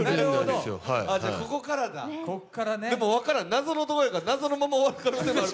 でも分からん、謎の男やから謎のまま終わる可能性もある。